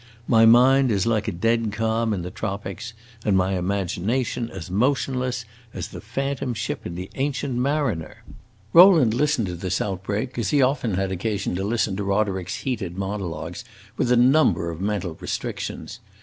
My mind is like a dead calm in the tropics, and my imagination as motionless as the phantom ship in the Ancient Mariner!" Rowland listened to this outbreak, as he often had occasion to listen to Roderick's heated monologues, with a number of mental restrictions.